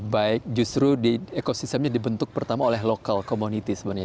baik justru ekosistemnya dibentuk pertama oleh local community sebenarnya